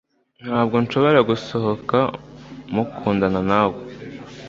Ntabwo nshobora gusohoka mukundana nawe